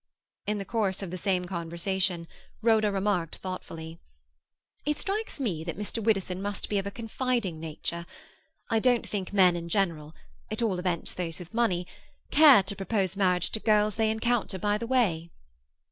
In the course of the same conversation, Rhoda remarked thoughtfully,— "It strikes me that Mr. Widdowson must be of a confiding nature. I don't think men in general, at all events those with money, care to propose marriage to girls they encounter by the way."